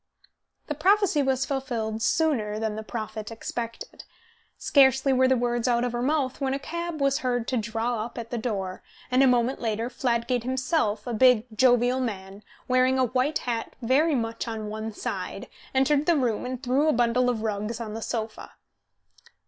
The prophecy was fulfilled sooner than the prophet expected. Scarcely were the words out of her mouth when a cab was heard to draw up at the door, and a moment later Fladgate himself, a big, jovial man, wearing a white hat very much on one side, entered the room and threw a bundle of rugs on the sofa.